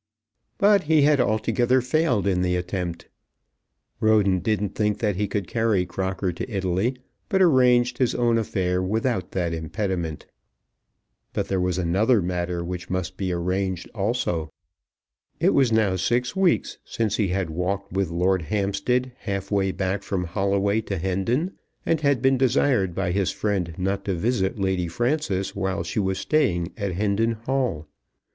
But he had altogether failed in the attempt. Roden didn't think that he could carry Crocker to Italy, but arranged his own affair without that impediment. But there was another matter which must be arranged also. It was now six weeks since he had walked with Lord Hampstead half way back from Holloway to Hendon, and had been desired by his friend not to visit Lady Frances while she was staying at Hendon Hall.